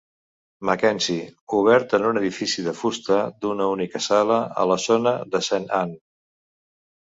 MacKenzie, obert en un edifici de fusta d'una única sala a la zona de Saint Ann.